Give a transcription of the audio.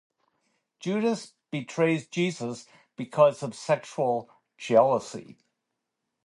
Judas betrays Jesus because of sexual jealousy.